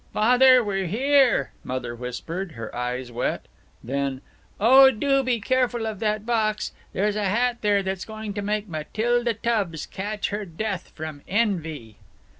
"Father, we're here!" Mother whispered, her eyes wet. Then, "Oh, do be careful of that box. There's a hat there that's going to make Matilda Tubbs catch her death from envy!"